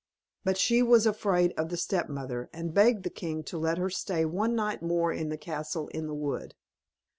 But she was afraid of the stepmother, and begged the king to let her stay one night more in the castle in the wood.